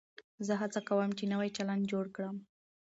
زه هڅه کوم نوی چلند جوړ کړم.